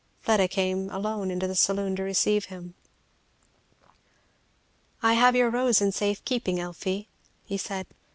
Fleda came alone into the saloon to receive him. "I have your rose in safe keeping, Elfie," he said.